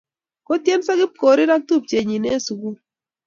Kotyenso Kipkorir ak tupchennyi eng' sukul